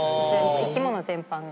生き物全般が。